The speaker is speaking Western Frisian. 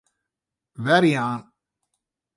Werjaan.